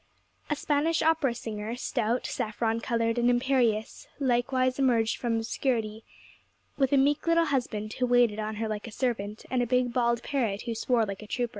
A Spanish opera singer, stout, saffron coloured, and imperious, likewise emerged from obscurity, with a meek little husband, who waited on her like a servant, and a big bald parrot, who swore like a trooper.